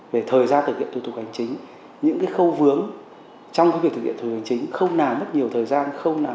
về thời gian thực hiện thủ tục hành chính những khâu vướng trong việc thực hiện thủ tục hành chính không nào mất nhiều thời gian